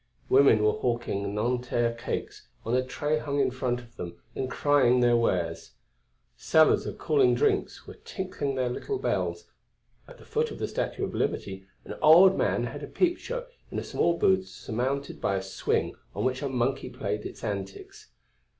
Women were hawking Nanterre cakes on a tray hung in front of them and crying their wares; sellers of cooling drinks were tinkling their little bells; at the foot of the Statue of Liberty an old man had a peep show in a small booth surmounted by a swing on which a monkey played its antics.